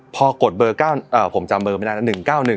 พ่อกดเบอร์แก้วเออผมจำเบอร์ไม่ได้นะ๑๙๑